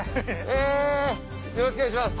へぇよろしくお願いします。